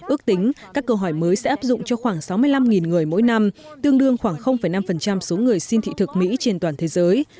ước tính các câu hỏi mới sẽ áp dụng cho khoảng sáu mươi năm người mỗi năm tương đương khoảng năm số người xin thị thực mỹ trên toàn thế giới